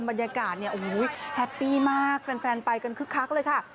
บรรยากาศเนี่ยโอ้โหแฮปปี้มากแฟนไปกันคึกคักเลยค่ะ